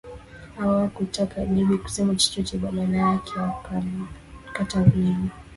Hawakutaka Debby kusema chochote badala yake wakamkata ulimi